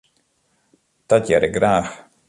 Dat hear ik graach.